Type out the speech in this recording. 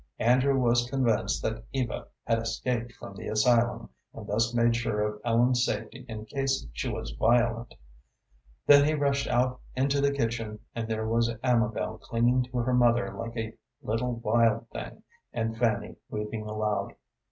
Andrew was convinced that Eva had escaped from the asylum, and thus made sure of Ellen's safety in case she was violent. Then he rushed out into the kitchen, and there was Amabel clinging to her mother like a little wild thing, and Fanny weeping aloud.